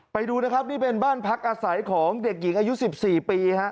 ไปดูนะครับนี่เป็นบ้านพักอาศัยของเด็กหญิงอายุ๑๔ปีฮะ